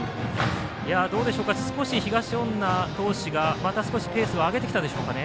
どうでしょうか少し東恩納投手がまた少しペースを上げてきたでしょうかね。